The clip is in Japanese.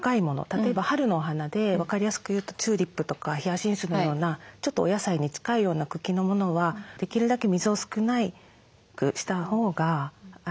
例えば春のお花で分かりやすく言うとチューリップとかヒヤシンスのようなちょっとお野菜に近いような茎のものはできるだけ水を少なくしたほうが腐りにくいとは思います。